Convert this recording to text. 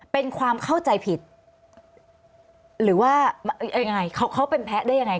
เป็นความเข้าใจผิดหรือว่ายังไงเขาเป็นแพ้ได้ยังไง